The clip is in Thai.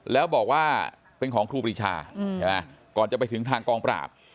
แล้วบอกว่าเป็นของครูปรีชาใช่ไหมก่อนจะไปถึงทางกองปราบ